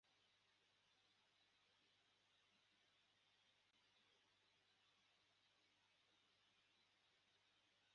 nk’uko Irenee Iraguha ufite sosiyete yitwa Go Fast abitangaza